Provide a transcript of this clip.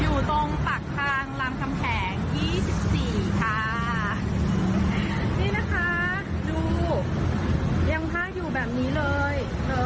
อยู่ตรงปากทางรามคำแหงยี่สิบสี่ค่ะนี่นะคะดูยังผ้าอยู่แบบนี้เลย